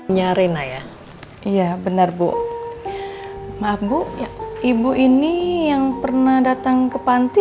nyari naya iya benar bu maaf bu ibu ini yang pernah datang ke panti